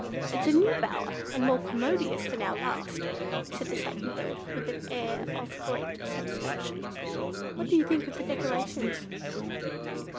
"It's a new bower, and more commodious than our last," said the Satin Bird with an air of great satisfaction. "What do you think of the decorations?"